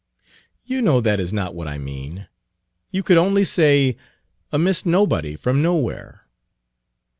"You know that is not what I mean. You could only say a Miss Nobody, from Nowhere."